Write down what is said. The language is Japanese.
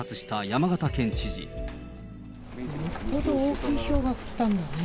よっぽど大きいひょうが降ったんだね。